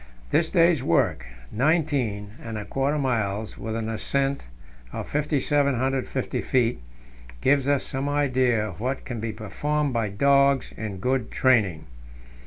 This day's work nineteen and a quarter miles, with an ascent of 5,750 feet gives us some idea of what can be performed by dogs in good training.